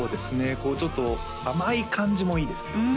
こうちょっと甘い感じもいいですよね